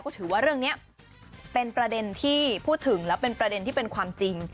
ก็ถือว่าเรื่องนี้เป็นประเด็นที่พูดถึงแล้วเป็นประเด็นที่เป็นความจริง